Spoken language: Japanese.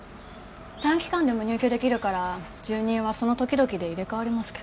短期間でも入居できるから住人はその時々で入れ替わりますけど。